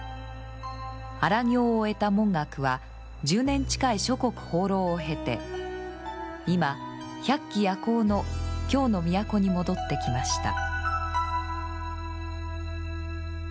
荒行を終えた文覚は１０年近い諸国放浪を経て今百鬼夜行の京の都に戻ってきました。